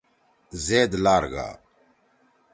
زید لار گا۔